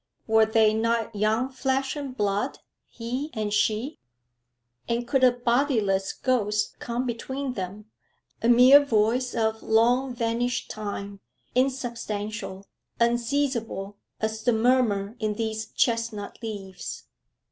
Were they not young flesh and blood, he and she? And could a bodiless ghost come between them, a mere voice of long vanished time, insubstantial, unseizable, as the murmur in these chestnut leaves?